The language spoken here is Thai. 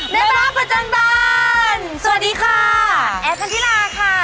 แม่บ้านประจำบานสวัสดีค่ะแอฟพันธิลาค่ะ